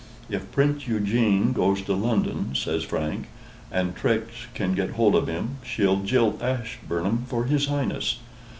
"If Prince Eugene goes to London," says Frank, "and Trix can get hold of him, she'll jilt Ashburnham for his Highness.